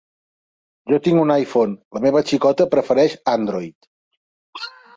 Jo tinc un iPhone. La meva xicota prefereix Android.